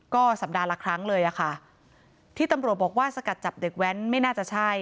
ก็สัปดาห์ละครั้งเลยอะค่ะที่ตำรวจบอกว่าสกัดจับเด็กแว้นไม่น่าจะใช่